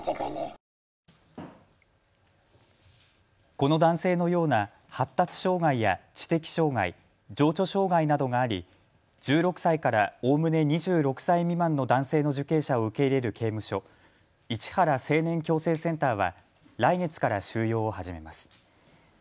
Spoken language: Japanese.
この男性のような発達障害や知的障害、情緒障害などがあり１６歳からおおむね２６歳未満の男性の受刑者を受け入れる刑務所、市原青年矯正センターは来月から収容を始めます。